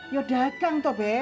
yo dagang toh be